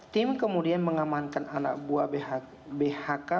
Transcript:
tim kemudian mengamankan anak buah bhk